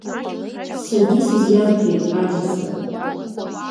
Саргьы исызиамҳәеит, Адица.